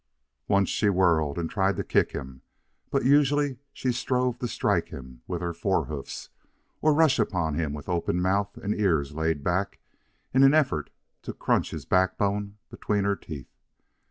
Once, she whirled and tried to kick him, but usually she strove to strike him with her fore hoofs, or rushed upon him with open mouth and ears laid back in an effort to crunch his backbone between her teeth.